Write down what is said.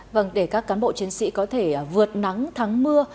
vâng để các cán bộ chiến sĩ có thể vượt nắng thắng mưa